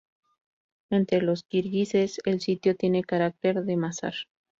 Entre los kirguises, el sitio tiene carácter de Mazar.